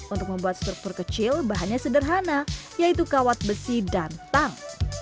untuk membuat struktur kecil bahannya sederhana yaitu kawat besi dan tang